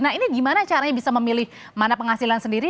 nah ini gimana caranya bisa memilih mana penghasilan sendiri